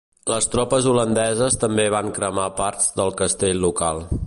Les tropes holandeses també van cremar parts del castell local.